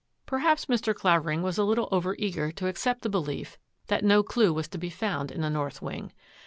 Perhaps Mr. Clavering was a little over eager to accept the belief that no clue was to be found in the north wing.